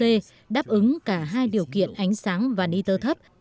gen dr eb một c đáp ứng cả hai điều kiện ánh sáng và niter thấp